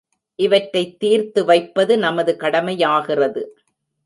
இவற்றைத் தீர்த்து வைப்பது நமது கடமையாகிறது.